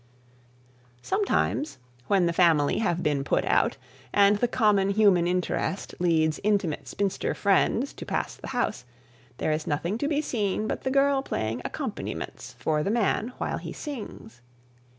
Sometimes, when the family have been put out, and the common human interest leads intimate spinster friends to pass the house, there is nothing to be seen but the girl playing accompaniments for the man while he sings.